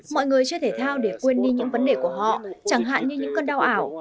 mọi người chơi thể thao để quên đi những vấn đề của họ chẳng hạn như những cơn đau ảo